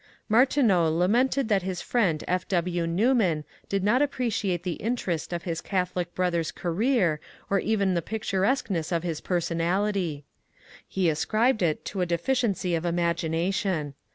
Martineau lamented that his friend F. W. Newman did not appreciate the interest of his Catholic brother's career or even the picturesqueness of his personality. He ascribed it to a deficiency of imagination.